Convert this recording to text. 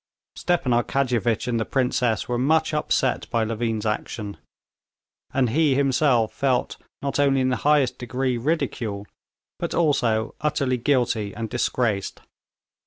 Stepan Arkadyevitch and the princess were much upset by Levin's action. And he himself felt not only in the highest degree ridicule, but also utterly guilty and disgraced.